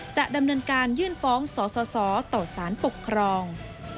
จะดำเนินการยื่นฟ้องสสต่อสารปกครอง